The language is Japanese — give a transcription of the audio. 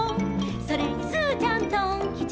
「それにスーちゃんトンきち」